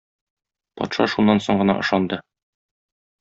Патша шуннан соң гына ышанды.